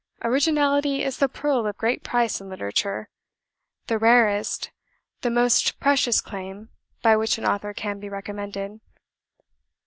Originality is the pearl of great price in literature, the rarest, the most precious claim by which an author can be recommended.